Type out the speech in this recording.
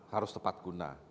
harus tepat guna